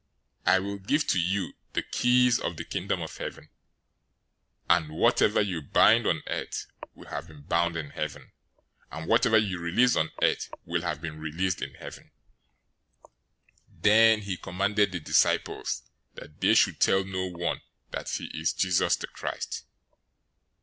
016:019 I will give to you the keys of the Kingdom of Heaven, and whatever you bind on earth will have been bound in heaven; and whatever you release on earth will have been released in heaven." 016:020 Then he charged the disciples that they should tell no one that he is Jesus the Christ.